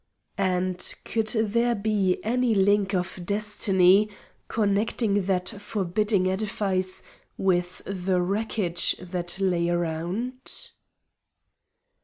And could there be any link of destiny connecting that forbidding edifice with the wreckage that lay around?